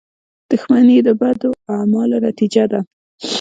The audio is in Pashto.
• دښمني د بدو اعمالو نتیجه ده.